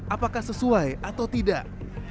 apakah sesuai atau tidak